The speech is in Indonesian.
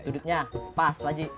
dudutnya pas pak haji